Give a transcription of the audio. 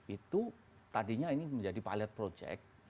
itu tadinya ini menjadi pilot project